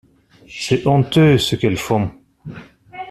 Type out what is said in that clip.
C'est honteux ce qu'elles font.